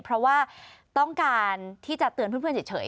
เพราะว่าต้องการที่จะเตือนเพื่อนเฉย